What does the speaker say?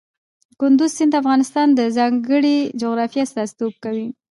کندز سیند د افغانستان د ځانګړي جغرافیه استازیتوب کوي.